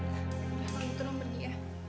mau tidur nungguin ya